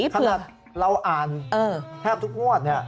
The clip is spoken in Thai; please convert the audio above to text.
ถ้าเราอ่านแทบทุกงวดนี่